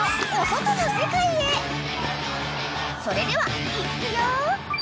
［それではいっくよ！］